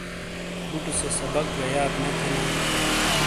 بُٹے سے سبق گہ یاد نے تھینا۔